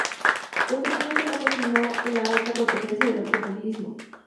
Posteriormente no continuó en la alta competencia del automovilismo.